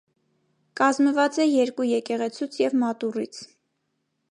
Կազմված է երկու եկեղեցուց և մատուռից։